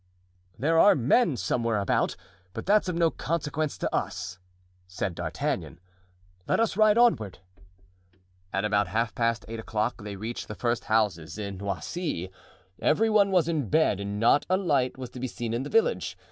"There are men somewhere about, but that's of no consequence to us," said D'Artagnan; "let us ride onward." At about half past eight o'clock they reached the first houses in Noisy; every one was in bed and not a light was to be seen in the village.